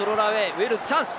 ウェールズ、チャンス。